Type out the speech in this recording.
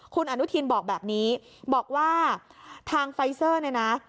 คุณอนุทินบอกแบบนี้บอกว่าทางไฟเซอร์เนี่ยนะ